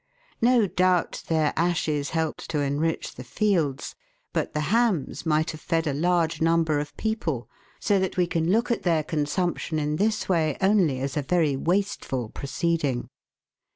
No doubt their ashes helped to enrich the fields, but the hams might have fed a large number of people, 302 THE WORLD'S LUMBER ROOM. so that we can look at their consumption in this way only as a very wasteful proceeding.